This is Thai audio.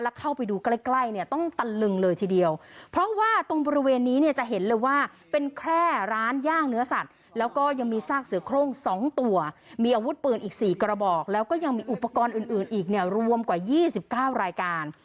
แล้วก็ยังมีอุปกรณ์อื่นอีกรวมกว่า๒๙รายการ